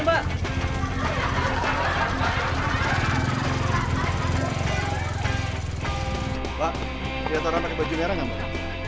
mbak liat orang pake baju merah gak mbak